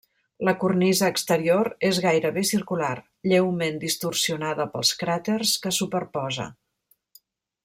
La cornisa exterior és gairebé circular, lleument distorsionada pels cràters que superposa.